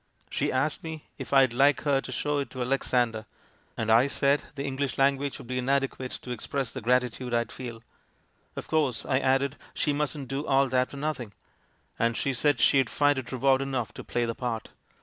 She asked me if I'd like her to show it to Alexander, and I said the Eng lish language would be inadequate to express the gratitude I'd feel. Of course, I added, she mustn't do all that for nothing, and she said she'd find it reward enough to play the part.